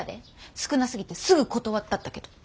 少なすぎてすぐ断ったったけど。